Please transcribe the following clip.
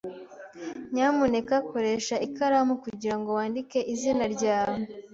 Nyamuneka koresha ikaramu kugirango wandike izina ryawe.